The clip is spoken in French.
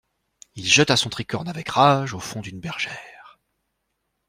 Il jeta son tricorne avec rage au fond d'une bergère.